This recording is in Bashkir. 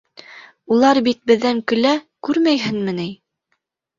Улар бит беҙҙән көлә, күрмәйһеңме ни?